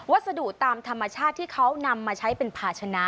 สดุตามธรรมชาติที่เขานำมาใช้เป็นภาชนะ